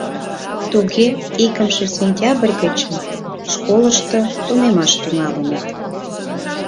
— Туге, икымше сентябрь гычын школышто тунемаш тӱҥалыныт.